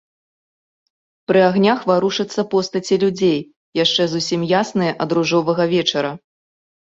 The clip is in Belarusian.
Пры агнях варушацца постаці людзей, яшчэ зусім ясныя ад ружовага вечара.